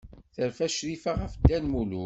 Terfa Crifa ɣef Dda Lmulud?